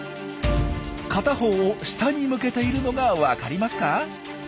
片方を下に向けているのがわかりますか？